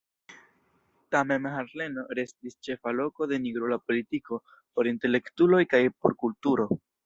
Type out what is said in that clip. Tamen Harlemo restis ĉefa loko de nigrula politiko, por intelektuloj kaj por kulturo.